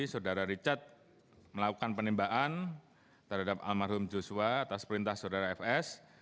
saudara richard melakukan penembakan terhadap almarhum joshua atas perintah saudara fs